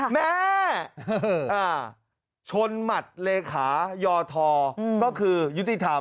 แม่ชนหมัดเลขขายอทก็คือยุติธรรม